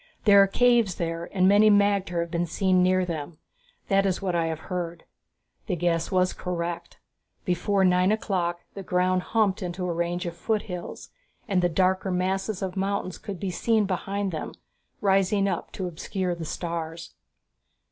"There are caves there and many magter have been seen near them; that is what I have heard." The guess was correct. Before nine o'clock the ground humped into a range of foothills, and the darker masses of mountains could be seen behind them, rising up to obscure the stars.